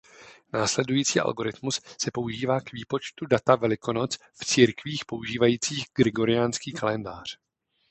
Následující algoritmus se používá k výpočtu data Velikonoc v církvích používajících gregoriánský kalendář.